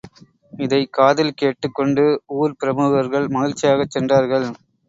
இதைக்காதில் கேட்டுக் கொண்டு ஊர்பிரமுகர்கள் மகிழ்ச்சியாகச் சென்றார்கள்.